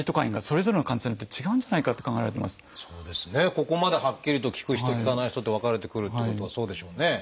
ここまではっきりと効く人効かない人って分かれてくるっていうことはそうでしょうね。